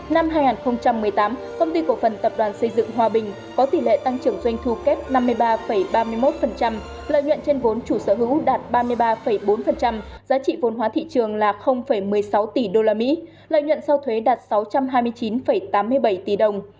năm hai nghìn một mươi tám công ty cổ phần tập đoàn xây dựng hòa bình có tỷ lệ tăng trưởng doanh thu kép năm mươi ba ba mươi một lợi nhuận trên vốn chủ sở hữu đạt ba mươi ba bốn giá trị vôn hóa thị trường là một mươi sáu tỷ usd lợi nhuận sau thuế đạt sáu trăm hai mươi chín tám mươi bảy tỷ đồng